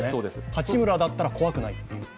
八村だったら怖くないというと。